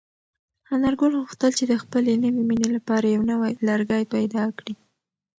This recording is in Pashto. انارګل غوښتل چې د خپلې نوې مېنې لپاره یو نوی لرګی پیدا کړي.